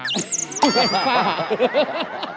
แว่นฟ้า